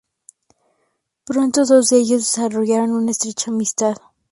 Pronto, dos de ellos desarrollaron una estrecha amistad.